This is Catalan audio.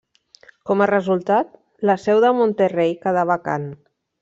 Com a resultat, la seu de Monterrey quedà vacant.